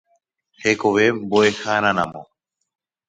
Hekove Mbo'eháraramo.